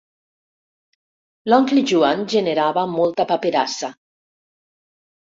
L'oncle Joan generava molta paperassa.